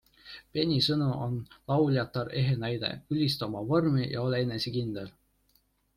Beni sõnul on lauljatar ehe näide - ülista oma vormi ja ole enesekindel!